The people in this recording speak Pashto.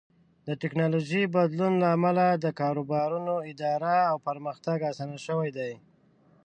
د ټکنالوژۍ د بدلون له امله د کاروبارونو اداره او پرمختګ اسان شوی دی.